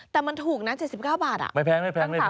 แต่มันถูกนะ๗๙บาทไม่แพง